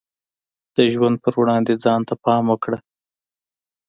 د ژوند په وړاندې ځان ته پام وکړه.